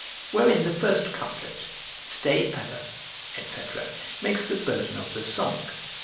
Wherein the first couplet, "Stay, adder," &c., makes the burden of the song.